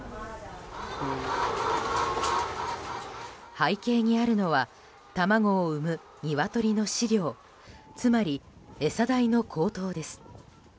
背景にあるのは卵を産むニワトリの飼料つまり餌代の高騰です。